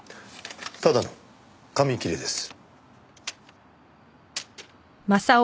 ただの紙切れです。